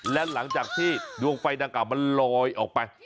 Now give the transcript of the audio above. และหลังจากที่ดวงไฟดังกล่ามันลอยออกไป